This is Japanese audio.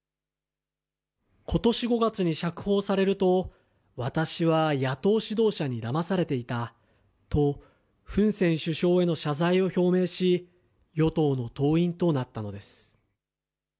ことし５月に釈放されると、私は野党指導者にだまされていたと、フン・セン首相への謝罪を表明し、与党の党員となったのです。